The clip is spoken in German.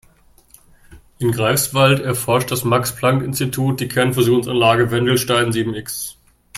In Greifswald erforscht das Max-Planck-Institut die Kernfusionsanlage Wendelstein sieben-X.